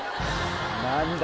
何だ？